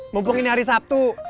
mumpung ini hari sabtu